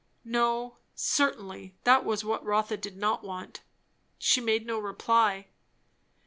No, certainly, that was what Rotha did not want. She made no reply.